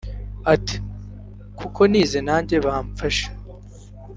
Ati “ Kuko nize nanjye bamfasha